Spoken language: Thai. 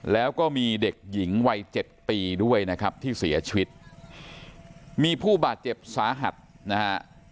แล้วก็มีเด็กหญิงวัยเจ็ดปีด้วยนะครับที่เสียชีวิตมีผู้บาดเจ็บสาหัสนะฮะ